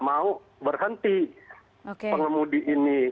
mau berhenti pengemudi ini